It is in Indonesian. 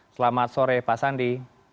selamat sore pak sandi